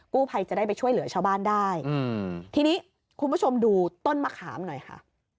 ภัยจะได้ไปช่วยเหลือชาวบ้านได้อืมทีนี้คุณผู้ชมดูต้นมะขามหน่อยค่ะ